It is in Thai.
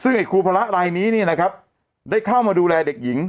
ซึ่งไอ้ครูพระรายนี้เนี่ยนะครับได้เข้ามาดูแลเด็กหญิง